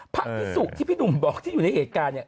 พระพิสุที่พี่หนุ่มบอกที่อยู่ในเหตุการณ์เนี่ย